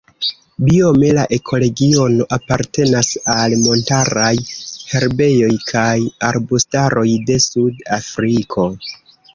Biome la ekoregiono apartenas al montaraj herbejoj kaj arbustaroj de Sud-Afriko.